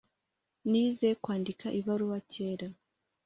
Nize kwandika ibaruwa kera